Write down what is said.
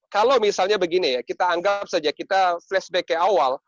kalau misalnya begini ya kita anggap saja kita flashback ke awal